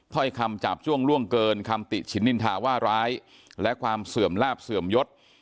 ถ้อยคำจาบจ้วงล่วงเกินคำติฉินนินทาว่าร้ายและความเสื่อมลาบเสื่อมยศ